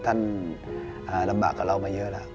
ท่านลำบากกับเรามาเยอะแล้ว